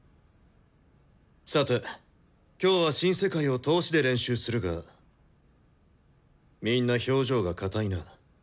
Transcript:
さて今日は「新世界」を通しで練習するがみんな表情がかたいな。